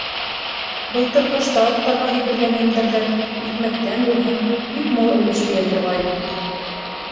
Былтыр ҡыш тауыҡтарға һибелгән емдәрҙән, икмәктән булһын, бик мул өлөш тейә торғайны.